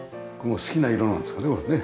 好きな色なんですかねこれね。